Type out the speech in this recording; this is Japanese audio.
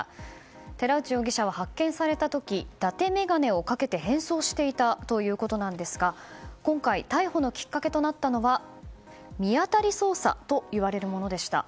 寺内容疑者は発見された時だて眼鏡をかけて変装していたということですが今回逮捕のきっかけとなったのは見当たり捜査といわれるものでした。